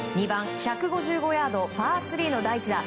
２番１５５ヤードパー３の第１打。